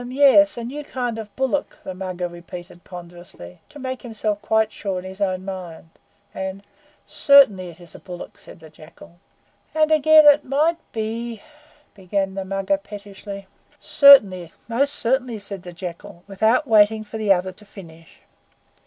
"M yes, a new kind of bullock," the Mugger repeated ponderously, to make himself quite sure in his own mind; and "Certainly it is a bullock," said the Jackal. "And again it might be " began the Mugger pettishly. "Certainly most certainly," said the Jackal, without waiting for the other to finish.